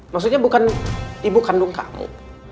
maksudnya bukan ibu kandung kamu